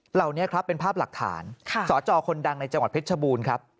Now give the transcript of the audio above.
เหล่านี้ครับเป็นภาพหลักฐานสจคนดังในจังหวัดเพชรชบูรณ์ครับ